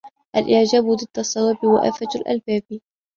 الْإِعْجَابُ ضِدُّ الصَّوَابِ وَآفَةُ الْأَلْبَابِ